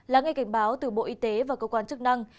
là ngay cảnh báo từ bộ y tế và cơ quan chức năng